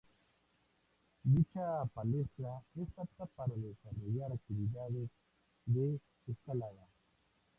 Dicha palestra es apta para desarrollar actividades de escalada.